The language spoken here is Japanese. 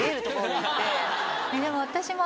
でも私も。